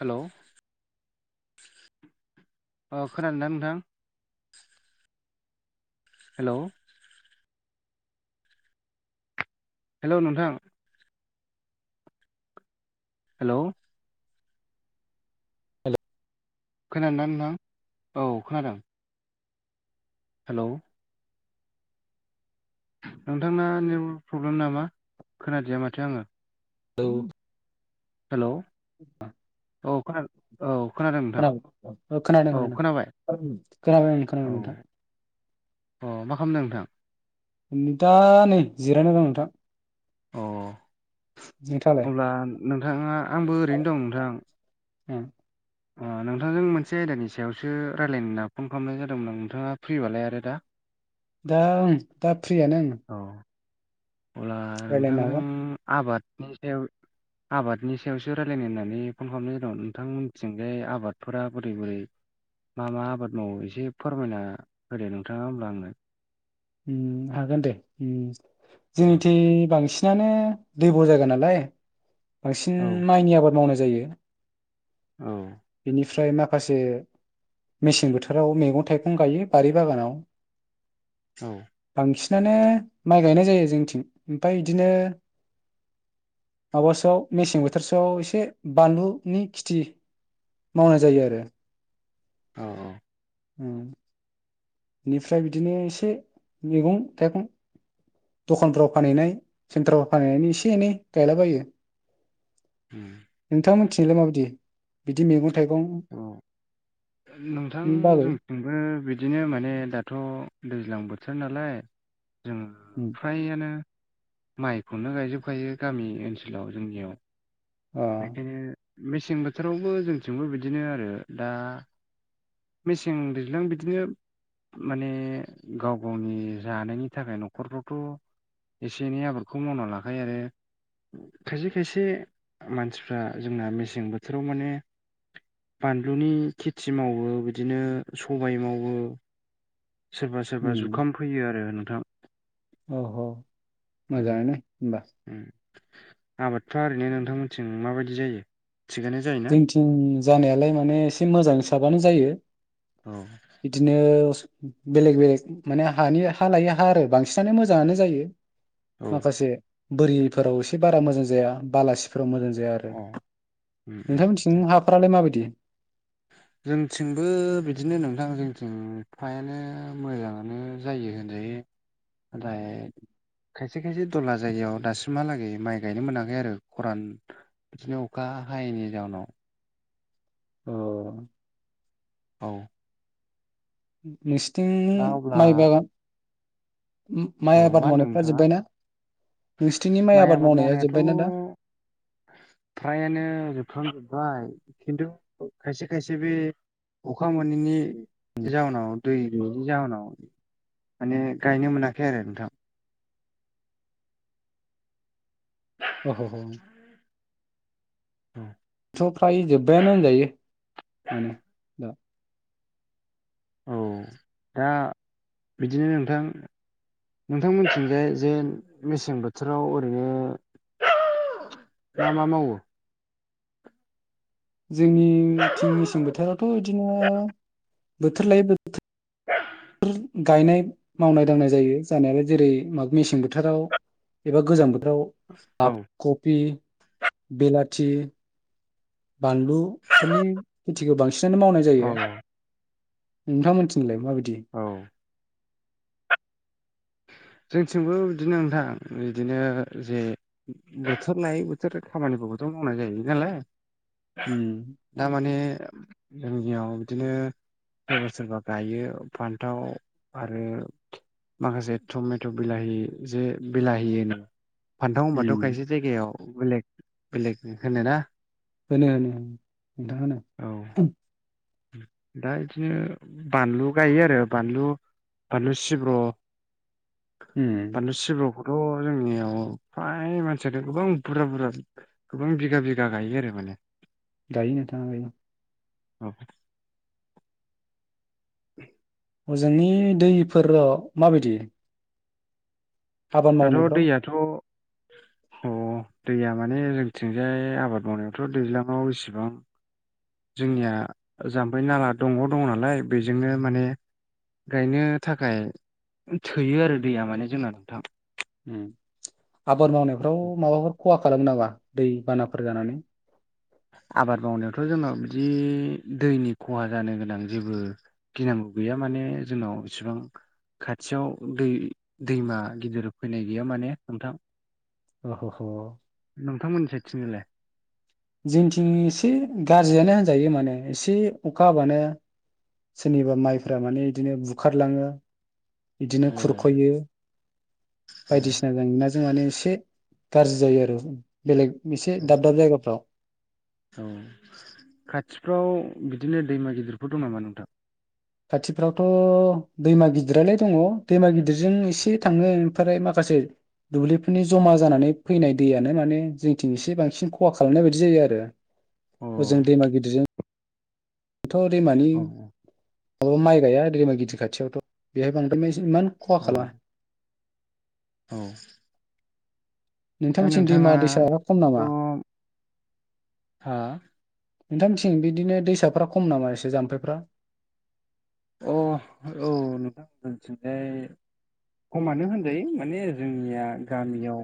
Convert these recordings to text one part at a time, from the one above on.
Hello अ खोनादों ना नोंथां हेल' हेलौ नोंथां हेलौ हेलौ खोनादों ना‌ नोंथां औ खोनादों हेलौ नोंथांना नेटवारक प्रब्लेम नामा खोनादिया माथो आङो औ हेलौ औ खोना औ खोनादों नोंथां औ खोनाबाय ओं खोनाबाय ओं खोनाबाय औ नोंथां अ मा खालामदों नोंथां उम दा नै जिरायना दं नोंथां अ नोंथाङालाय अब्ला नोंथाङा आंबो ओरैनो दं नोंथां [inaudible] ओ नोंथांजों मोनसे आयदानि सायावसो रायलायनो होनना फन खालामनाय जादोंमोन आं नोंथाङा फ्रिबालाय आरो दा ओं दा फ्रियानो आं अ अब्ला रायज्लायनो नोंथांजों हागोन आबादनि सायाव आबादनि सायावसो रायलायनो होननानै फन खालामनाय जादों नोंथां मोनथिंजाय आबादफोरा बोरै बोरै मा मा आबाद मावो एसे फोरमायना होदो नोंथाङा होनब्ला आंनो उम हागोन दे उम जोंनिथिं बांसिन सिनानो दैब' जायगा नालाय बांसिन औ माइनि आबाद मावनाय जायो औ निफ फ्राय माखासे मेसें बोथोराव मैगं थाइगं गायो बारि बागानाव औ बांसिनानो माइ गायनाय जायो जोंनिथिं ओमफाय बिदिनो माबासोआव मेसें बोथोरसोआव एसे बानलुनि खेथि मावनाय जायो आरो औ उम निफ्राय बिदिनो एसे मैगं थाइगं दखानफ्राव फानहैनाय सेन्टारफ्राव फानहैनायनि एसे एनै गायला बायो [inaudible] नोंथां मोनथिनायलाय माबायदि बिदि मैगं थाइगं अ नोंथां [unintelligible] बागै जोंबो बिदिनो माने दाथ' दैज्लां बोथोर नालाय जों ओ [inaudible] फ्रायानो माइखौनो गायजोब खायो गामि ओनसोलाव जोंनियाव अ बेखायनो मेसें बोथोरावबो जोंथिंबो बिदिनो आरो दा मेसें दैज्लां बिदिनो माने गाव गावनि जानायनि थाखाय न'खरफ्रावथ' एसे एनै आबादखौ मावना लाखायो आरो खायसे खायसे मानसिफ्रा जोंना मेसें बोथोराव माने बानलुनि खेथि मावो बिदिनो सबाय मावो सोरबा सोरबा जुखाम फैयो आरो नोंथां। औ मोजाङानो होमबा आबादफ्रा ओरैनो नोंथां थिं माबायदि जायो थिगानो जायोना जोंथिं जानायालाय माने एसे मोजां साबानो जायो। औ। बिदिनो बेलेग बेलेग माने हानि हा लायो हा आरो बांसिनानो मोजाङानो जायो। औ माखासे बोरिफोराव एसे बारा मोजां जाया बालासिफोराव मोजां जाया आरो। अ उम उम नोंथां मोनथिं हाफ्रालाय माबायदि जोंथिंबो बिदिनो नोंथां जोंथिं फ्रायानो मोजाङानो जायो होनजायो ओमफ्राय खायसे खायसे दला जायगायाव दासिमहालागै माइ गायनो मोनाखै आरो खरान बिदिनो अखा हायैनि जाउनाव अ औ नोंसिथिं दा अब्ला माइ बागान औ माइ आबाद मा होनदों मावनायफ्रा नोंथाङा जोब्बायना नोंसथिनि माइ आबाद मावनाया जोब्बायना दा फ्रायानो जोबफ्राम जोब्बाय खिन्थु खायसे खायसे बे अखा मोनैनि जाहनाव दैनि गैयिनि जाउनाव माने गायनो मोनाखै आरो नोंथां द [inaudible] अ ह ह। [inaudible] थ' फ्राय जोब्बायानो होनजायो माने दा औ दा बिदिनो नोंथां नोंथांमोनथिंजाय जे मेसें बोथोराव ओरैनो मा मा मावो जोंनि थिं मेसें बोथोरावथ' बिदिनो बोथोर लायै बोथोर द [inaudible] बेफोर गायनाय मावनाय दांनाय जायो जानायालाय जेरै मा मेसें बोथोराव एबा गोजां बोथोराव औ हाफ कफि बेलाथि बानलु फोरनि खेथिखौ बांसिनानो मावनाय औ जायो नोंथां मोनथिलाय माबायदि औ जोंथिंबो बिदिनो नोंथां बिदिनो जे बोथोर लायै बोथोर खामानिबोथ' मावनाय जायो नालाय उम दामाने जोंनियाव बिदिनो सोरबा सोरबा गायो फान्थाव आरो माखासे टमेट' बिलाहि जे बिलाहिहोनो फान्थाव उम होनबाथ' खायसे जायगायाव बेलेग बेलेग होनो ना होनो होनो नोंथां होनो औ दा बिदिनो बानलु गायो आरो बानलु बानलु सिब्र' उम बानलु सिब्र'खौथ' जोंनियाव फ्राय मानसियाथ' गोबां बुरजा बुरजा गोबां बिगा बिगा गायो आरो माने। गायो नोंथाङा गायो। औ हजोंनि दैफोर माबायदि? आबाद दाथ' मावनायफ्राव दैयाथ' अ दैया माने जोंथिंजाय आबाद मावनायावथ' दैज्लाङाव बेसिबां जोंनिया जाम्फै नाला दग दंङ नालाय बेजोंनो माने गायनो थाखाय थोयो आरो दैया माने जोंना नोंथां आबाद मावनायफ्राव माबाफोर खहा खालाम नामा दैबानाफोर जानानै आबाद मावनायावथ' जोंहा बिदि दैनि खहा जानो गोनां जेबो गिनांगौ गैया माने जोंनाव इसिबां खाथियाव दै दैमा गिदिर फैनाय गैया माने नोंथां अ ह ह नोंथांमोननि साय थिंलाय जोंनिथिं एसे गाज्रियानो होनजायो माने एसे अखा हाबानो सोरनिबा माइफोरा माने बिदिनो बुखारलाङो बिदिनो अ खुरख'यो औ बायदिसिना जेंना जों माने एसे गाज्रि जायो आरो बेलेग एसे औ दाब दाब जायगाफ्राव औ खाथिफ्राव बिदिनो दैमा गिदिरफोर दं नामा नोंथां खाथिफ्रावथ' दैमा गिदिरालाय दङ दैमा गिदिरजों एसे थाङो ओमफ्राय माखासे दुब्लिफोरनि जमा जानानै फैनाय दैयानो माने जोंथिं एसे बांसिन खहा खालामनाय बायदि जायो आरो अ हजों दैमा गिदिरजों थ' दैमानि औ माब्लाबा माइ गाया दैमा गिदिर खाथियावथ' बेहाय बांद्राय मान होन खहा औ खालाम औ दा नोंथांमोनथिनि दैमा नोंथाङाथ' दैसाफ्रा खम नामा [inaudible] हा नोंथांमोननिथिं बिदिनो दैसाफ्रा खम नामा एसे जाम्फैफ्रा अ औ नोंथांमोन मोनथिंलाय खमानो होनयो माने जोंनिया गामियाव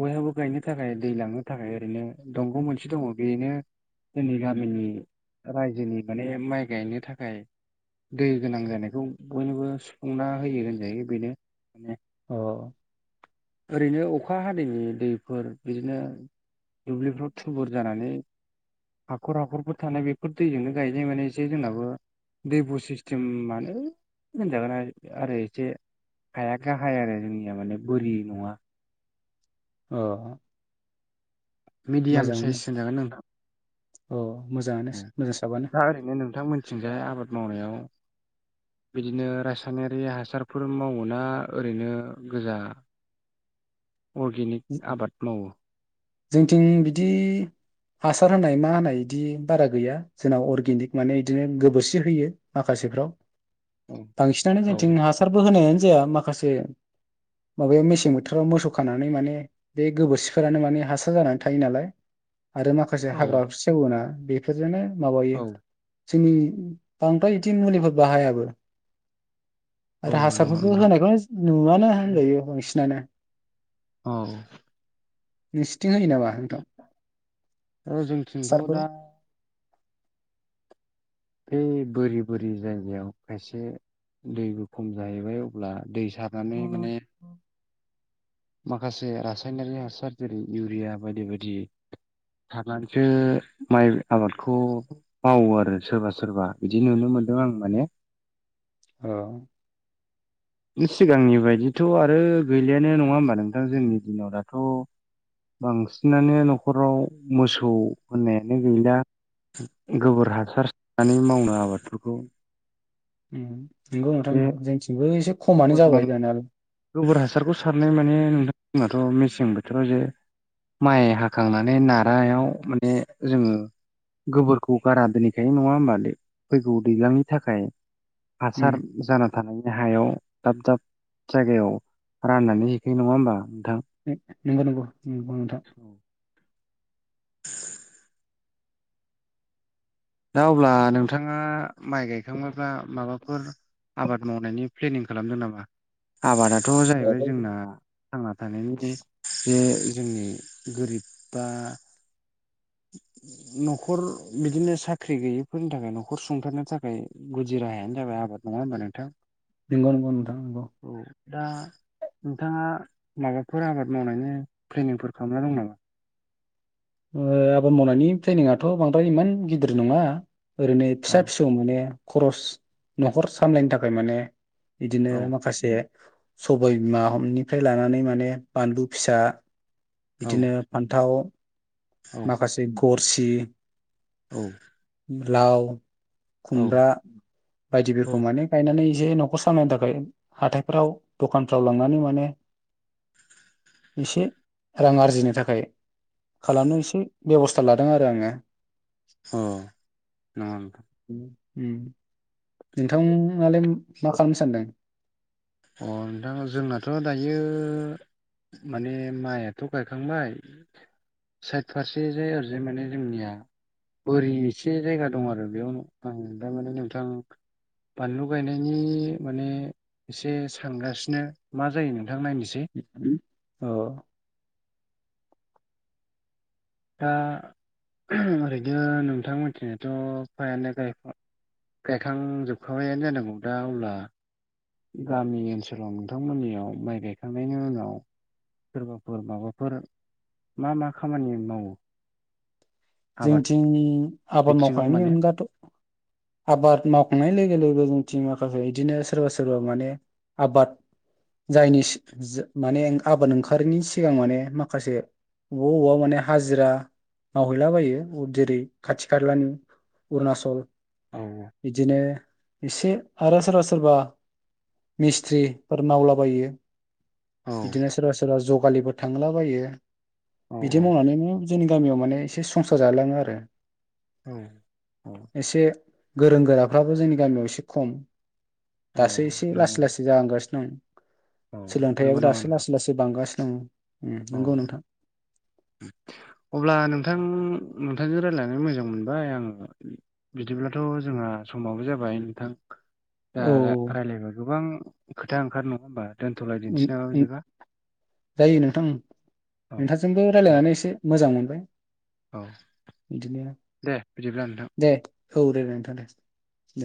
बयहाबो गायनो थाखाय दै लांनो थाखाय ओरैनो दंग' मोनसे दंङ बेनो जोंनि गामिनि रायजोनि माने माइ गायनो थाखाय दै गोनां जानायखौ बयनोबो सुफुंना होयो होनजायो बेनो माने औ ओरैनो अखा हादैनि दैफोर बिदिनो दुब्लिफ्राव थुबुर जानानै हाखर हाखरफोर थानाय बेफोर दैजोंनो गायनाय माने एसे जोंनाबो दै बु सिस्टेमानो होनजागोन आरो आरो एसे हाया गाहाय आरो जोंनिया माने बोरि नङा अ मिडियाम साइस होन जागोन नोंथां औ मोजां दा साबानो ओरैनो नोंथां मोनथिंजाय आबाद मावनायाव बिदिनो रासायनारि हासारफोर मावोना ओरैनो गोजा [inaudible] अर्गेनिक आबाद मावो जोंथिं बिदि हासार होनाय मा होनाय दि बारा गैया जोंनाव अर्गेनिक माने बिदिनो औ गोबोरसि होयो माखासेफ्राव बांसिनानो औ जोंथिं हासारबो होनायानो जाया माखासे माबाया मेसें बोथोराव मोसौ खानानै माने बे गोबोरसिफोरानो माने हासार जानानै थायो नालाय आरो माखासे औ हाग्रा सेवहोना बेफोरजोंनो माबायो औ जोंनि बांद्राय बिदि मुलिबो बाहायाबो औ आरो नंगौ हासारफोरबो नोंथां होनायबो नुवानो होनजायो बांसिनानो औ नोंसिथिं होयो नामा नोंथां र जोंथिंथ' हासारफोर दा बै बोरि बोरि जायगायाव खायसे दैबो खम जाहैबाय अब्ला दै सारनानै माने माखासे रासायनारि हासार जेरै इउरिया बायदि बायदि सारनानैसो माइ आबादखौ मावो आरो सोरबा सोरबा बिदि नुनो मोनदों आं माने औ [unintelligible] सिगांनि बायदिथ' आरो गैलियानो नङा होमबा नोंथां जोंनि दिनाव दाथ' बांसिनानो न'खराव मोसौ होननायानो गैला गोबोर हासार नै मावनो आबादफोरखौ उम नंगौ बे नोंथांमोना जोंथिंबो एसे खमानो आबाद जाबाय मावो जानायालाय गोबोर हासारखौ सारनाय माने नोंथांमोनथ' मेसें बोथोर जे माइ हाखांनानै नारायाव माने जोङो गोबोरखौ गारा दोनैखायो नङा होमबा आदै फैगौ दैजलांनि थाखाय उम हासार जाना थानायनि हायाव दाब दाब जायगायाव राननानै हैखायो नङा होमबा नोंथां नंगौ नंगौ नंगौ नोंथां। औ [unintelligible] दा अब्ला नोंथाङा माइ गायखां ङोब्ला माबाफोर आबाद मावनायनि प्लेनिं खालामदों नामा? आबादाथ' जाहैबाय जोंना थांना थानायनि जे जे जोंनि गोरिब फ्रा न'खर बिदिनो सा ख्रि गैयिफोरनि थाखाय न'खर सुंथारनो थाखाय गुदि राहायानो जाबाय आबाद नङा होनबा नोंथां? नंगौ नंगौ नोंथां नंगौ। औ दा नोंथाङा माबाफोर आबाद मावनायनि प्लेनिंफोर खालामना दं नामा? ओ आबाद मावनायनि प्लेनिंआथ' बांद्राय इमान गिदिर नङा ओरैनो औ फिसा फिसौ माने खरस न'खर सामलायनो थाखाय माने बिदिनो औ माखासे सबाय बिमानिफ्राय लानानै माने बानलु फिसा बिदिनो औ फान्थाव माखासे गरसि [inaudible] लाव, औ खुमब्रा औ बायदिफोरखौ माने गायनानै जे न'खर सामनो थाखाय हाथायफ्राव दखानफ्राव लांनानै माने एसे रां आरजिनो थाखाय खालामनो एसे [unintelligible] बेब'स्था लादों आरो आङो। औ नंगौ नोंथां। नोंथांआलाय मा खालामनो सानदों? अ नोंथां जोंनाथ' दायो माने माइयाथ' गायखांबाय साइद फारसे जायो ओरैजाय माने जोंनिया बोरि एसे जायगा दं आरो बेयावनो आं थारमाने नोंथां बानलु गायनायनि माने एसे सानगासिनो मा जायो नोंथां नायनोसै। [unintelligible] औ दा ओरैनो नोंथां मोनथिंजायथ' फ्रायानो गाय गायखांजोबखांबायानो जानांगौ दा अब्ला गामि ओनसोलाव नोंथांमोननियाव माइ गायखांनायनि उनाव सोरबाफोर माबाफोर मा मा खामानि मावो आबाद जोंथिं आबाद बिथिङाव मावखांनायनि माने अनगाथ' आबाद मावखांनाय लोगो लोगो जोंथि माखासे बिदिनो सोरबा सोरबा माने आबाद जायनि माने आबाद ओंखारिनि सिगां माने माखासे बबावबा अबावबा माने हाजिरा हैलाबायो जेरै खाथि खालानि अरुणाचल औ बिदिनो एसे आरो सोरबा सोरबा मिस्ट्रिफोर मावलाबायो। औ बिदिनो सोरबा सोरबा जगालिबो थांलाबायो बिदि मावनानैनो जोंनि गामियाव माने एसे संसार जालाङो आरो उम एसे गोरों गोराफ्राबो जोंनि गामियाव एसे खम औ दासो एसे नंगौ लासै लासै जालांगासिनो दं औ नंगौ सोलोंथाइयाबो नामा दासो नोंथां लासै लासै बांगासिनो दं। उम नंगौ नोंथां औ [unintelligible] अब्ला नोंथां नोंथांजों रायज्लायनानै मोजां मोनबाय आङो। बिदिब्लाथ' जोंहा समाबो जाबाय नोंथां। दा औ रायज्लायबा गोबां खोथा ओंखारो नङा होमबा उम दोनथ'लायदिसै उम बिदिबा जायो नोंथां औ ओङ नोंथांजोंबो दे रायजलायनानै एसे मोजां मोनबाय। औ बिदिनो- दे बिदिब्ला नोंथां! दे औ दे दे नोंथां दे! दे